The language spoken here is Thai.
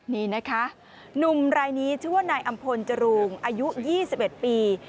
นี่นะคะหนุ่มรายนี้ชื่อว่านายอำพลจรูงอายุ๒๑ปี